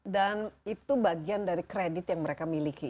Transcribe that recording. dan itu bagian dari kredit yang mereka miliki